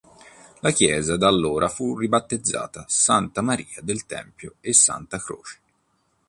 La chiesa da allora fu ribattezzata Santa Maria del Tempio e Santa Croce.